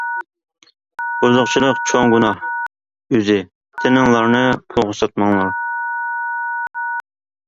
بۇزۇقچىلىق چوڭ گۇناھ ئۆزى، تىنىڭلارنى پۇلغا ساتماڭلار.